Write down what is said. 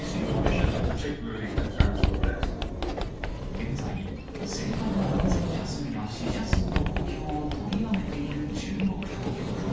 現在、正確な感染者数や死者数の公表を取りやめている中国当局。